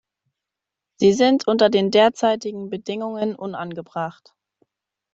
Sie sind unter den derzeitigen Bedingungen unangebracht.